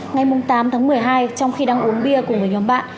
ngay mùng tám tháng một mươi hai trong khi đang uống bia cùng với nhóm bạn